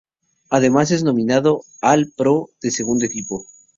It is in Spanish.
Además es nominado All-Pro de segundo equipo.